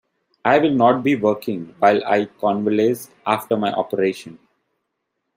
I will not be working while I convalesce after my operation.